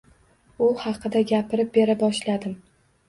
U haqida gapirib bera boshladim.